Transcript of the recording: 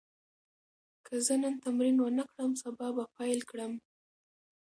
که زه نن تمرین ونه کړم، سبا به پیل کړم.